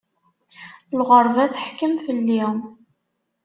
Lɣeṛba teḥkem fell-i.